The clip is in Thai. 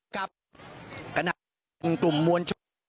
กับกลุ่มมวล